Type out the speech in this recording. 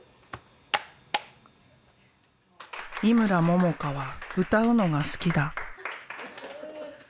井村ももかは歌うのが好きだ。